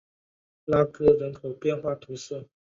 拉戈人口变化图示